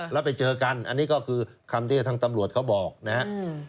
แล้วไปเจอกันอันนี้ก็คือคำที่ทางตำรวจเขาบอกนะครับ